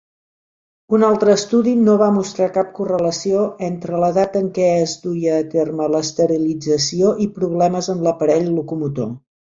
Un altre estudi no va mostrar cap correlació entre l'edat en què es duia a terme l'esterilització i problemes en l'aparell locomotor.